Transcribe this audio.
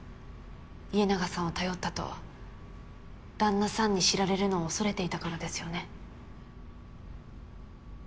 家長さんを頼ったと旦那さんに知られるのを恐れていたからですよね？